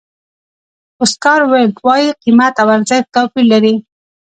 اوسکار ویلډ وایي قیمت او ارزښت توپیر لري.